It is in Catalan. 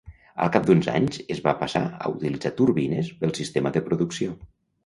Al cap d'uns anys es va passar a utilitzar turbines pel sistema de producció.